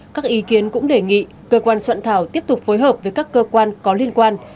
các ý kiến cũng đề nghị cơ quan soạn thảo tiếp tục phối hợp với các cơ quan có liên quan